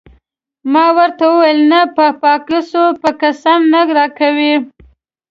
ما ورته وویل: نه په باکوس به قسم نه راکوې.